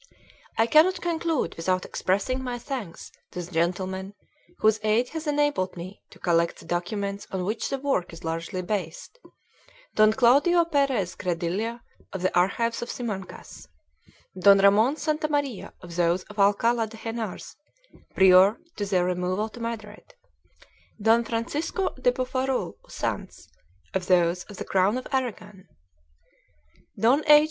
I cannot conclude without expressing my thanks to the gentle men whose aid has enabled me to collect the documents on which the work is largely based — Don Claudio Perez Greclilla of the Archives of Simancas, Don Ramon Santa Maria of those of Alcala de Henares prior to their removal to Madrid, Don Fran cisco de Bofarull y Sans of those of the Crown of Aragon, Don J.